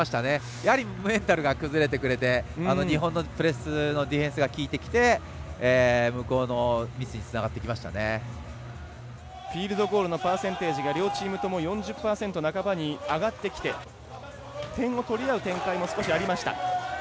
やはり、メンタルが崩れてくれて日本のプレスのディフェンスが効いてきて向こうのミスにフィールドゴールのパーセンテージが両チームとも４０％半ばに上がってきて点を取り合う展開も少しありました。